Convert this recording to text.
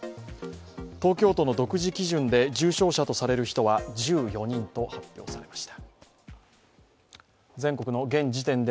東京都の独自基準で重症者とされる人は１４人と発表されました。